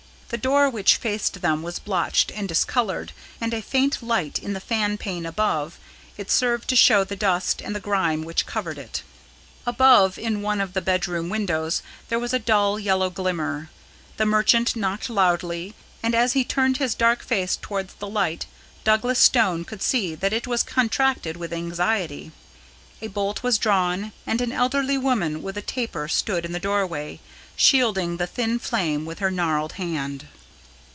The door which faced them was blotched and discoloured, and a faint light in the fan pane above, it served to show the dust and the grime which covered it. Above in one of the bedroom windows, there was a dull yellow glimmer. The merchant knocked loudly, and, as he turned his dark face towards the light, Douglas Stone could see that it was contracted with anxiety. A bolt was drawn, and an elderly woman with a taper stood in the doorway, shielding the thin flame with her gnarled hand.